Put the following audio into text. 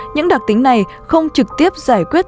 những đặc tính này không trực tiếp giải quyết